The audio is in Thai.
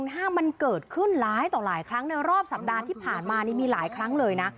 ถ้ามันเกิดขึ้นหลายต่อหลายครั้งในรอบสัปดาห์ที่ผ่านมานี่มีหลายครั้งเลยนะ